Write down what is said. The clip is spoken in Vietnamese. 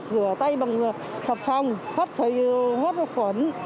rửa tay bằng sập phòng hót sợi hút khuẩn